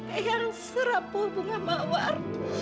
eh yang serapu bunga mawar